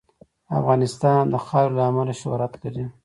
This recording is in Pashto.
افغانستان د خاوره له امله شهرت لري.